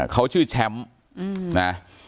เขาชื่อชาร์ช